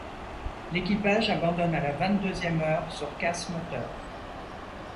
L'équipage abandonne à la vingt-deuxième heure sur casse moteur.